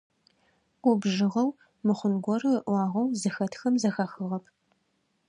Губжыгъэу, мыхъун горэ ыӏуагъэу зыхэтхэм зэхахыгъэп.